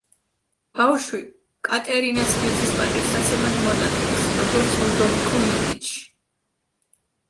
ბავშვი კატერინას ბიძის პატივსაცემად მონათლეს როგორც ლუდოვიკო მედიჩი.